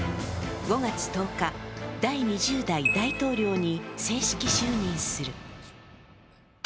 ５月１０日、第２０代大統領に正式就任する。